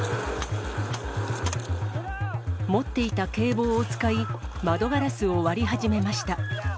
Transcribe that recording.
持っていた警棒を使い、窓ガラスを割り始めました。